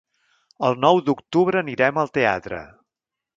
El nou d'octubre anirem al teatre.